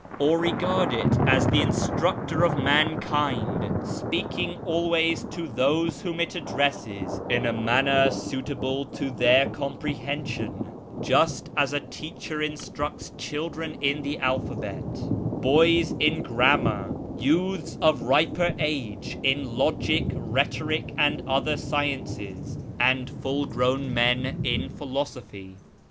Or regard it as the Instructor of mankind, speaking always to those whom it addresses in a manner suitable to their comprehension, just as a teacher instructs children in the alphabet, bo}'s in grammar, youths of riper age in logic, rhetoric, and other sciences, and full grown men in philosophy.